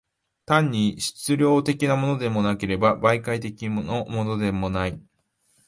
単に質料的のものでもなければ、媒介的のものでもない。